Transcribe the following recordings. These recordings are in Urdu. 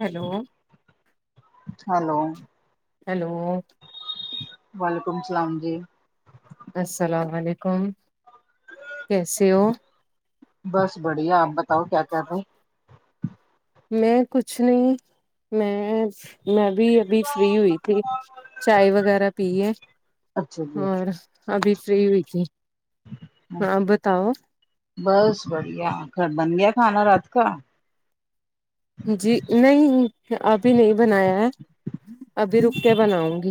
ہیلو ہیلو ہیلو وعلیکم سلام جی السلام علیکم کیسے ہو بس بڑھیا آپ بتاؤ کیا کر رہے میں کچھ نہیں میں میں بھی ابھی فری ہوئی تھی چائے وغیرہ پی ہے اچھا جی اور اچھا ابھی فری ہوی تھی آپ بتاؤ بس بڑھیا بن گیا کھانا رات کا جی نہیں ابھی نہیں بنایا ہے ابھی رک کے بناؤں گی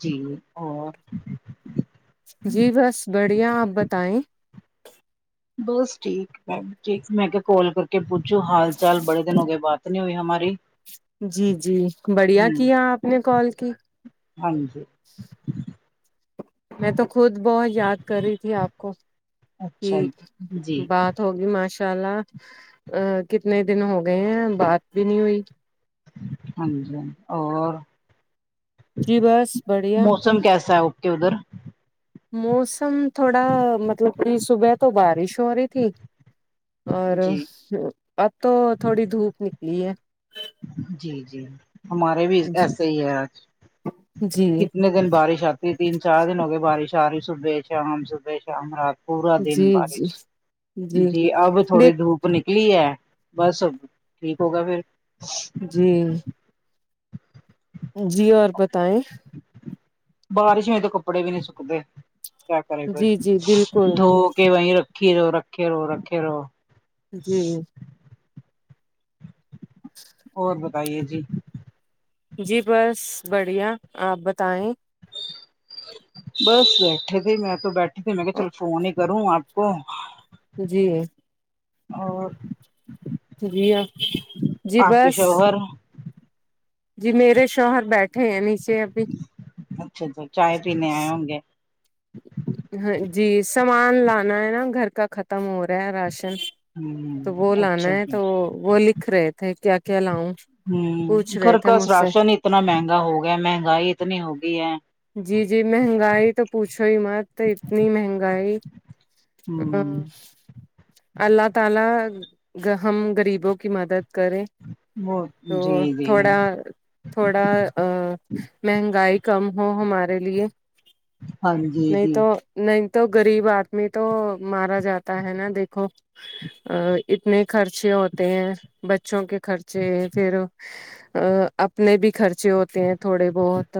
جی اور جی بس بڑھیا آپ بتائیں بس ٹھیک میں بھی ٹھیک میں کہ کال کر کے پوچھوں حال چال بڑے دن ہو گئے بات نئی ہوئی ہماری جی جی بڑھیا ہوں کیا آپ نے کال کی ہاں جی میں تو خود بہت یاد کر رہی تھی آپ کو اچھا جی بات ہوگی ماشاء اللہ ا کتنے دن ہو گئے ہیں بات بھی نہیں ہوئی ہاں جی اور جی بس بڑھیا موسم کیسا ہے اپکے ادھر موسم تھوڑا مطلب کہ صبح تو بارش ہو رہی تھی اور جی اب تو تھوڑی دھوپ نکلی ہے جی جی ہمارے بھی ایسے ہی ہے آج جی کتنے دن بارش آتی تین چار دن ہو گئے بارش آ رہ صبح شام صبح شام رات پورا دن جی جی بارش جی اب تھوڑی دیک دھوپ اپ نکلی ہے بس اب ٹھیک ہوگا پھر جی جی اور بتائیں بارش میں تو کپڑے بھی نہیں سکتے کیا کرے کوئی جی جی بالکل دھو کے وہیں رکھی رہو رکھے رہو رکھے رہو جی اور بتائیے جی جی بس بڑھیا آپ بتائیں بس بیٹھے تھے میں تو بیٹھے تھے میں کہ چلو فون ہی کروں آپ کو جی اور جی جی آپ کے بس شوہر جی میرے شوہر بیٹھے ہیں نیچے ابھی اچھا تو چائے پینے آئے ہوں گے ہ جی سامان لانا ہے نا گھر کا ختم ہو رہا ہے راشن تو وہ ہ لانا اچھا ہے جی تو وہ وہ لکھ رہے تھے کیا کیا لاؤں ہوں پوچھ گھر رہے تھے کااس مجھ سے راشن اتنا مہنگا ہو گیا ہے مہنگائی اتنی ہوگئی ہے جی جی مہنگائی تو پوچھو ہی مت اتنی مہنگائی ہوں ہاں اللہ تعالی ہم غریبوں کی مدد کرے وہ تو جی جی تھوڑا تھوڑا ا مہنگائی کم ہو ہمارے لیے ہاں جی نہیں جی تو نہیں تو غریب آدمی تو مارا جاتا ہے نا دیکھو ا اتنے خرچے ہوتے ہیں بچوں کے خرچے پھر اپنے بھی خرچے ہوتے ہیں تھوڑے بہت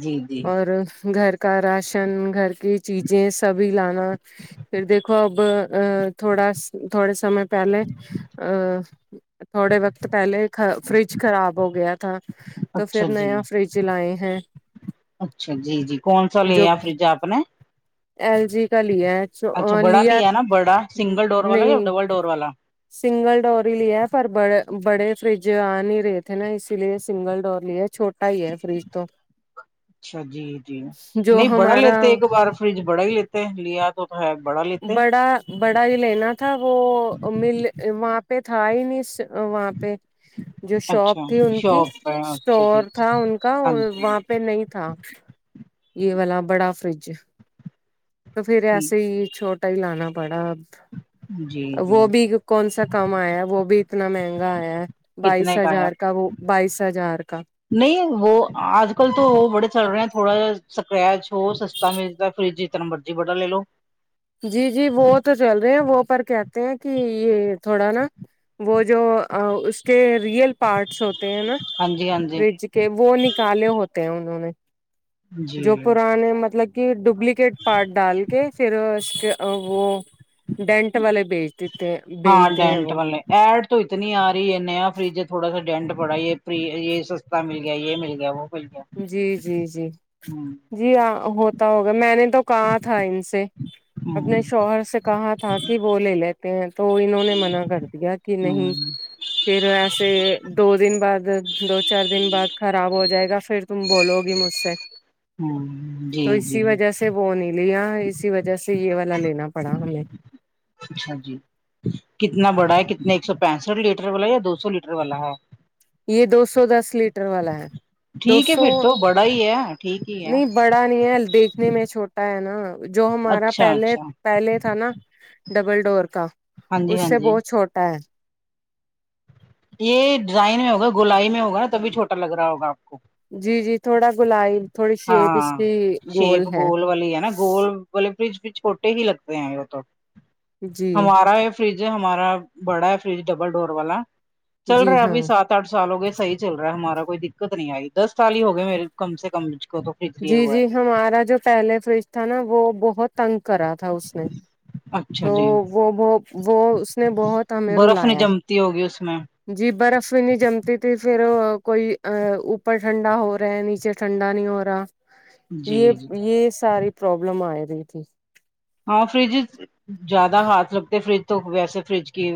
جی جی اور گھر کا راشن گھر کی چیزیں سبھی لانا پھر دیکھو اب ا تھوڑا تھوڑے سمے پہلے ا تھوڑے وقت پہلے فریج خراب ہو گیا تھا تو اچھا پھر جی نیا فریج لائے ہیں اچھا جی جی کون سا جو لےیا فریج آپ نے ایل جی کا لیا ہے اچھا بڑا لیا نا بڑا سنگل ڈور والا یا نہیں ڈبل ڈور والا سنگل ڈور ہی لیا ہے پر بڑے بڑے فریج آ نہیں رہے تھے نا اسی لیے سنگل ڈور لیا چھوٹے ای ہے فریج تو اچھا جی جی جو نہیں بڑا لیتے ہمارا ایک بار فریج بڑا ہی لیتے لیا تو تو ہے بڑا لیتے بڑا بڑا جو لینا تھا وہ مل وہاں پہ تھا ہی نہیں وہاں پہ جو شاپ اچھا تھی ان کی شاپ پہ اچھا جی اسٹور تھا ان کا ہاں جی ہاں وہاں پہ نہیں تھا یہ وال والا بڑا فریج تو پھر جی ایسے ہی چھوٹا ہی لانا پڑا جی جی وہ بھی کون سا کم آیا ہے وہ بھی اتنا مہنگا آیا ہے بائیس کتنے ہے ہزار کا وہ بائیس ہزار کا نہیں وہ آج کل تو وہ بڑے چل رہے ہیں تھوڑا سکرچ ہو سسٹم فریج جتنا مرضی بڑا لے لو جی جی وہ تو چل رہے ہیں وہ پر کہتے ہیں کہ یہ تھوڑا نا وہ جو اس کے ریئل پارٹس ہو ہیں نا ہاں جی ہاں جی فج کے وہ نکالے ہوتے ہیں انہوں نے جی جو پرانے مطلب کہ ڈوپلیکیٹ پارٹ ڈال کے پھر اس کے وہ ڈینٹ والے بیچ دیتے ہاں بیچتے ہیں ڈینٹ وہ والے ایڈ تو اتنی آ رہی ہے نیا فریج ہے تھوڑا سا ڈنڈ پڑا یہ فری یہ سستا مل گیا یہ مل گیا وہ مل گیا جی جی جی ہ جی ہ ہوتا ہوگا میں نے تو کہاں تھا ان سے اپنے شوہر سے کہا تھا کہ وہ لے لیتے ہیں تو انہوں نے منع کر دیا کہ نہیں ہ پھر ایسے دو دن بعد دو چار دن بعد خراب ہو جائے گا پھر تم بولو گی مجھ سے جی تو جی اسی وجہ سے وہ نہیں لیا اسی وجہ سے یہ والا لینا پڑا ہمیں اچھا جی کتنا بڑا ہے کتنا ایک سو پینسٹھ لیٹر والا یا دو سو لیٹر والا ہے یہ دو سو دس لیٹر والا ہے دو ٹھیک ہے سو پھر تو بڑا ہی ہے ٹھیک ہی ہے نہیں بڑا نہیں ہے دیکھنے میں چھوٹا ہے نا جو ہمارا اچھا پہلے اچھا پہلے تھا نا ڈبل ڈور کا ہاں جی اس ہاں سے جی بہت چھوٹا ہے یہ ڈیزائن میں ہوگا گلائی میں ہوگا نا تبھی چھوٹا لگ رہا ہوگا آپ کو جی جی تھوڑا گلائ تھوڑی شیپ اس ہاں کی گول ہے گ برج بھی چھوٹے ہی لگتے ہیں وہ تو جی ہمارا یہ فریج ہمارا بڑا ہے فریج ڈبل ڈور والا چل رہا جی ہے ہاں ابھی سات آٹھ سال ہو گئے صحی چل رہا ہے ہمارا کوئی دقت نہیں آئی دس سال ہی ہو گئے میرے کم سے کم کو تو فریج لیے جی ہوا جی ہمارا جو پہلے فریج تھا نا وہ بہت تنگ کرا تھا اس نے ہے اچھا تو جی وہ ب وہ اس نے بہت ہمیں برف نہیں رلایا جمتی ہوگی اس میں جی برف بھی نہیں جمتی تھی پھر کوئی اوپر ٹھنڈا ہو رہا ہے نیچے ٹھنڈا نہیں ہو رہا جی یہ جی یہ ساری پرابلم آ رہی تھی ہاں فریج زیادہ ہاتھ لگتے فریج تو ویسے فریج کی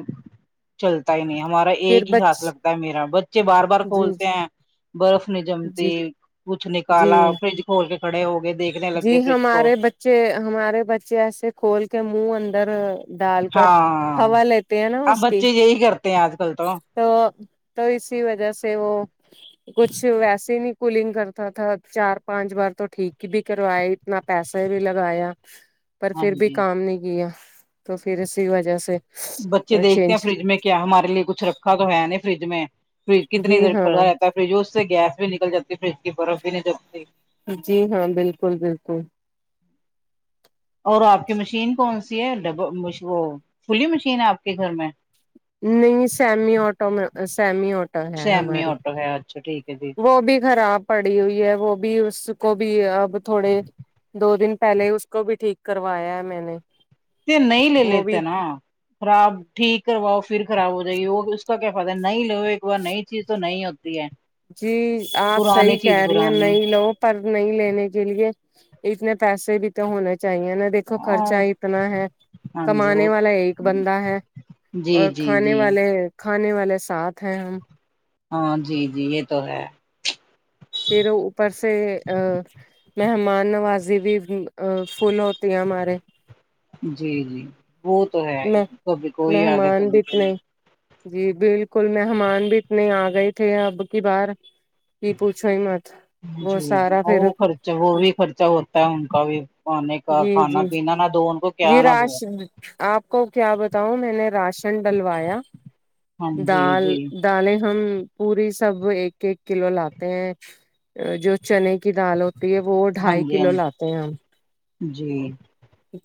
چلتا ہی نہیں ہمارا ایک پھر ہی ہاتھ بچ لگتا ہے میرا بچے بار بار جی کھولتے ہیں برف نہیں جمتی جی کچھ ن جی کالا فرج کھول کے کھڑے ہو گئے دیکھ لنے جی لگے فرج کو ہمارے بچے ہمارے بچے ایسے کھول کے منہ اندر ڈال کر ہاں ہوا لیتے ہیں نا اب اس کی بچے یہی کرتے ہیں آج کل تو تو اسی وجہ سے وہ کچھ ویسے ہی نہیں کولنگ کرتا تھا چار پانچ بار تو ٹھیک ہی بھی کروائے اتنا پیسہ بھی لگایا پر ہاں پھر بھی جی کام نہیں کیا تو پھر اسی وجہ سے بچے دیکھتے ہیں چینج فریج میں کیا ہمارے لیے کچھ رکھا تو ہے فریج میں فریج کتنی جی دیر ہاں کھللاا رہتا ہے فریج اس سے گیس بھی نکل جاتی ہے فریج کی برف بھی نہیں جلتی جی ہاں بالکل بالکل اور آپ کی مشین کون سی ہےب وہ فلی مشین ہے آپ کے گھر میں نہیں سیمی آٹو میں سیمی آٹو ہے سیمی ہماری آٹو ہے اچھا ٹھیک ہے جی وہ بھی خراب پڑی ہوئی ہے وہ بھی اس کو بھی اب تھوڑے دو دن پہلے ہی اس کو بھی ٹھیک کروایا ہے میں نے نہیں لے وہ بھی لیتے نا خراب ٹھیک کرواؤ پھر خراب ہو جائیے وہ تو کیا پاتتے ہیں ن لو ایک بار نئی چیز تو نہیں ہوتی ہے جی آپ پرانی صحیح چیز کہہ رہی ہیں پرانی ن لو پر نہیں لینے کے لیے اتنے پیسے بھی تو ہونے چاہیے نا دیکھو خرچہ اتنا ہے ہاں جی کمانے وہ والا ایک بندہ ہے جی اور جی کھانے جی والے کھانے والے ساتھ ہیں ہم ہاں جی جی یہ تو ہے پھراوپر سے ام مہمان نوازی بھی فل ہوتی ہے مارے جی جی وہ تو ہے ہی کبھی کوئی ارا ہے مہمان کبھی بھی کوئی اتنے جی بالکل مہمان بھی اتنے آ گئے تھے اب کی بار یہ پوچھو ہی مت وہ جی جی سارا وہ پھر خرچہ وہ بھی خرچہ ہوتا ہے ان کا بھی پانے کا جی کھانا جی پینا نہ دو ان کو کیا جی نہ دو راش آپ کو کیا بتاؤں میں نے راشن ڈلوایا ہاں جی دال جی دالیں ہم پوری سب ایک ایک کلو لاتے ہیں جو چنے کی دال ہوتی ہے وہ ہاں ڈھائی جی ہاں کلو لاتے ہیں ہم جی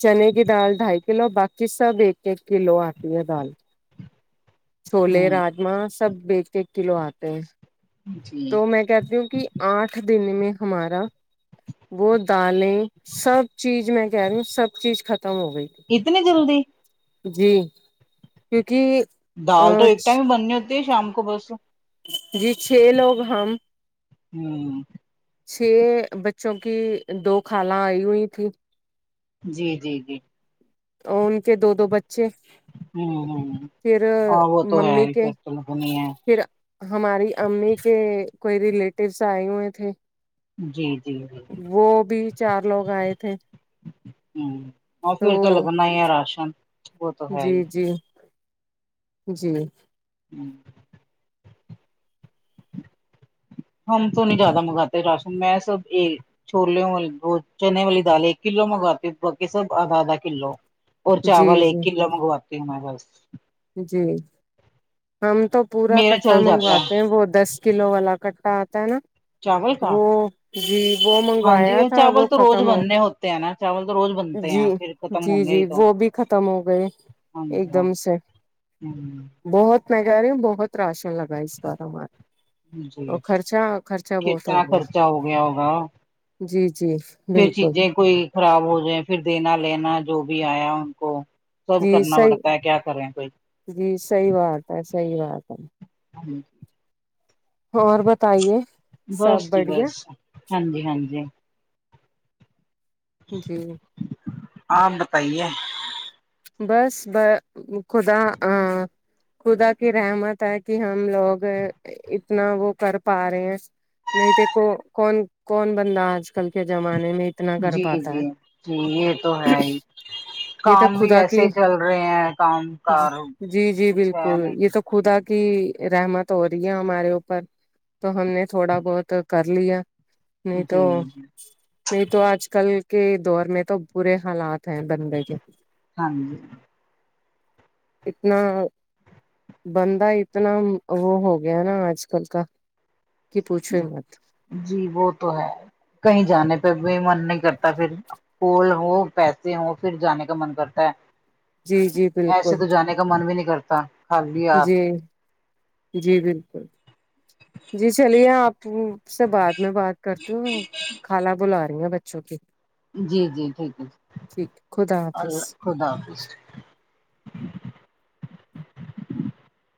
چنے کی دال ڈھائی کلو باقی سب ایک ایک کلو آتی ہے دال جی چھولے ہ راجما سب ایک ایک کلو آتے ہیں جی تو میں کہتی ہوں کہ آٹھ دن میں ہمارا وہ دالیں سب چیز میں کہہ رہی ہوں سب چیز ختم ہو گئی تھی اتنی جلدی جی کیونکہ دال تو ایک ٹائم ہی بننی ہوتی ہے شام کو بس جی چھ لوگ ہم ہوں چھ بچوں کی دو خالہ آئی ہوئی تھیں جی جی جی اور ان کے دو دو بچے ہوں ہوں پھر ہاں وہ تو ہے ممی ہی کے پھر تو لگنی ہے پھر ہماری امی کے کوئی ریلیٹیوس آئے ہوئے تھے جی جی جی وہ بھی چار لوگ آئے تھے ہ اور پھر تو لگنا ہی ہے راشن وہ تو ہے جی ہی جی جی ہوں ہم تو نہیں زیادہ منگاتے راشن میں سب یہ چھولے والی چنے والی دال ایک کلو منگواتی باقی سب آدھا آدھا کلو اور چاول جی ایک جی کلو منگواتی ہوں میں بس جی ہم تو پورا میرا کٹا چل جاتا ہے منگواتے ہیں وہ دس کلو والا کٹا آتا ہے نا چاول کا وہ جی وہ ہاں جی منگوایا تھا وہ چاول تو روز ختم ہو بننے ہوتے ہیں نا چاول تو روز بنتے جی ہیں پھر ختم جی ہوں گے جی ہی تو وہ بھی ختم ہو گئے ایک دم سے ہوں بہت میں کہ رہی ہو بہت راشن لگا اس بار ہمارے جی اور خرچا خرچا بہت ہو کتنا گیا خرچہ ہو گیا ہوگا جی جی پھر بالکل چیزیں کوئی خراب ہو جائے پھر دینا لینا جو بھی آیا ان کو سب جی کرنا صحیح پڑتا ہے کیا کرے کوئی جی صحیح بات ہے صحیح بات ہے ھم اور بتائیے سب جی بڑھیا بس ہاں جی ہاں جی جی آپ بتایی بس خدا خدا کی رحمت ہے کہ ہم لوگ اتنا وہ کر پا رہے ہیں نہیں دیکھو کون کون بندا آج کل کے زمانے میں اتنا جی کرپاتا ہے جی جی یہ تو ہے ہی تب کام بھی خدا کی ایسے چل رہے ہیں کام کار جی جی کچھ ہے بالکل نہیں یہ تو کچھ خدا کی رحمت ہو رہی ہے ہمارے اوپر تو ہم نے تھوڑا بہت کر لیا نہیں جی تو جی نہیں تو آج کل کے دور میں تو برے حالات ہیں بنے کے ہاں جی اتنا بندہ اتنا وہ ہو گیا نا آج کل کا کی پوچھو مت جی وہ تو ہے کہیں جانے پہ بھی من نہیں کرتا پھر گولڈ پیسے ہو پھر جانے کا من کرتا ہے جی جی ایسے بالکل تو کا من بھی نہیں کرتا خالی ہاتھ جی جی بالکل جی چلیے آپ اس سے بعد میں بات کرتی ہو خالہ بولارہی ہے بچو کی جی جی ٹھیک ہے ٹھیک خدا اللہ حافظ خدا حافظ